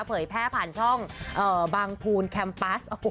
เผยแพร่ผ่านช่องบางภูลแคมปัส